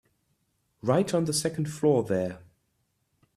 Right on the second floor there.